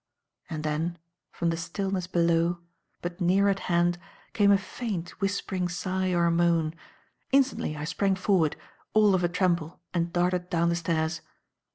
And then, from the stillness below, but near at hand came a faint, whispering sigh or moan. Instantly I sprang forward, all of a tremble and darted down the stairs.